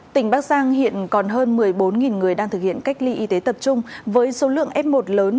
tỉnh bắc giang hiện còn hơn một mươi bốn người đang thực hiện cách ly y tế tập trung với số lượng f một lớn